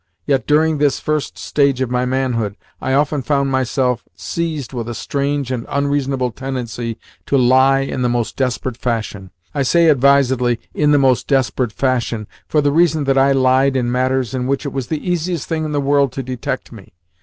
Yet, during this first stage of my manhood, I often found myself seized with a strange and unreasonable tendency to lie in the most desperate fashion. I say advisedly "in the most desperate fashion," for the reason that I lied in matters in which it was the easiest thing in the world to detect me.